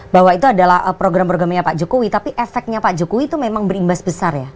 bahwa itu adalah program programnya pak jokowi tapi efeknya pak jokowi itu memang berimbas besar ya